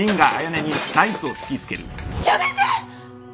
やめて！